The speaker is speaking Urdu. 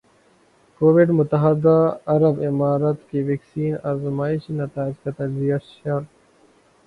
کوویڈ متحدہ عرب امارات کے ویکسین آزمائشی نتائج کا تجزیہ شر